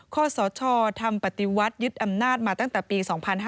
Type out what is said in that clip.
ข้อสชทำปฏิวัติยึดอำนาจมาตั้งแต่ปี๒๕๕๙